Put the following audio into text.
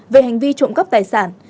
về hành vi trộm cấp tài sản